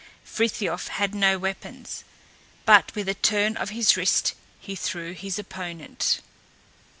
Frithiof had no weapons, but with a turn of his wrist he threw his opponent.